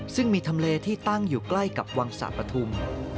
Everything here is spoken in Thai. ซึ่งมีทำเลที่ตั้งอยู่ใกล้กับวังสะปฐุม